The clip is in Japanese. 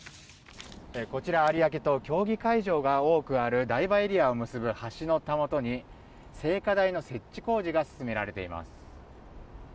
こちら、有明と競技会場が多くある台場エリアを結ぶ橋のたもとに聖火台の設置工事が進められています。